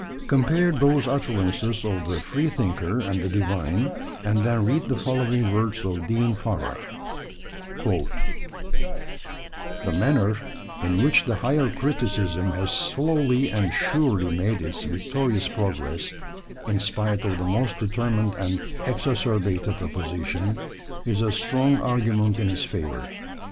Compare those utterances of the freethinker and the divine, and then read the following words of Dean Farrar: The manner in which the Higher Criticism has slowly and surely made its victorious progress, in spite of the most determined and exacerbated opposition, is a strong argument in its favour.